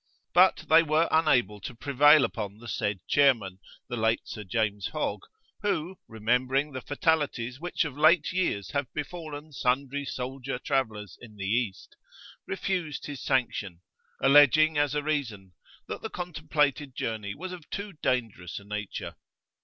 But they were unable to prevail upon the said Chairman, the late Sir James Hogg, who,[FN#1] remembering the fatalities which of late years have befallen sundry soldier travellers in the East, refused his sanction, alleging as a reason[FN#1] [p.2]that the contemplated journey was of too dangerous a nature.